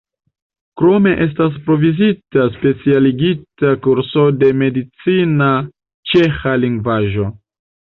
Krome estas provizita specialigita kurso de medicina ĉeĥa lingvaĵo.